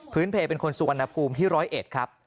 เพลเป็นคนสุวรรณภูมิที่๑๐๑ครับ